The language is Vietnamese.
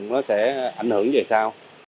nó sẽ ảnh hưởng về sau